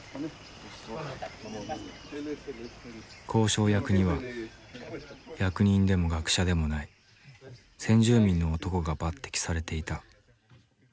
交渉役には役人でも学者でもない先住民の男が抜てきされていた。